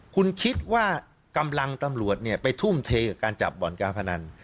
คุณคิดว่ากำลังตำรวจไปทุ่มเทกับการจับบ่อนการพนัน